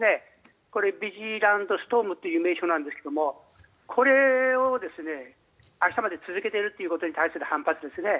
これ、ビジラントストームという名称なんですがこれを明日まで続けているということに対する反発ですね。